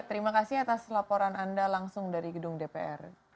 terima kasih atas laporan anda langsung dari gedung dpr